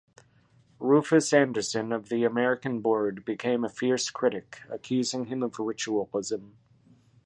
Rufus Anderson, of the American Board, became a fierce critic, accusing him of ritualism.